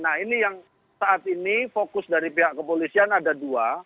nah ini yang saat ini fokus dari pihak kepolisian ada dua